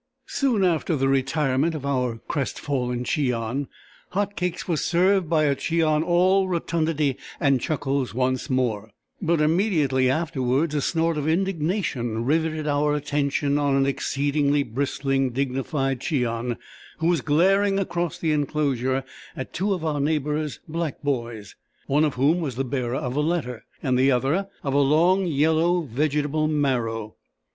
Soon after the retirement of our crestfallen Cheon, hot cakes were served by a Cheon all rotundity and chuckles once more, but immediately afterwards, a snort of indignation riveted our attention on an exceedingly bristling, dignified Cheon, who was glaring across the enclosure at two of our neighbour's black boys, one of whom was the bearer of a letter, and the other, of a long yellow vegetable marrow.